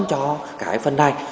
cho cái phần này